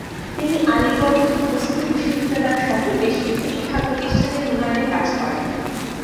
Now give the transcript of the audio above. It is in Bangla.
তিনি আলিগড় মুসলিম বিশ্ববিদ্যালয়সহ বেশ কিছু শিক্ষাপ্রতিষ্ঠানের উন্নয়নে কাজ করেন।